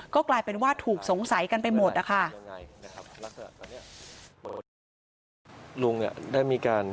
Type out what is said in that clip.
ก็กลายเป็นว่าถูกสงสัยกันไปหมดนะคะ